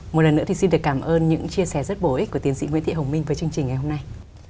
một lần nữa thì xin được cảm ơn những chia sẻ rất bổ ích của tiến sĩ nguyễn thị hồng minh với chương trình ngày hôm nay